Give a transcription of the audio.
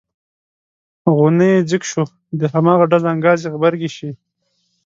غونی یې ځیږ شي د هماغه ډز انګاز یې غبرګې شي.